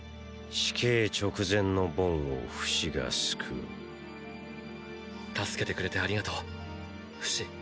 死刑直前のボンをフシが救う助けてくれてありがとうフシ。